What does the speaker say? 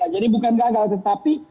jadi bukan gagal tetapi